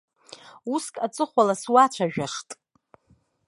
Уск аҵыхәала суацәажәашт.